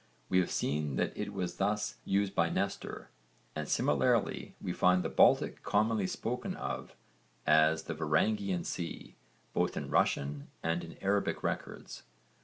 We have seen that it was thus used by Nestor, and similarly we find the Baltic commonly spoken of as the 'Varangian' Sea both in Russian and in Arabic records.